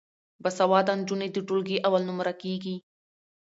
باسواده نجونې د ټولګي اول نمره کیږي.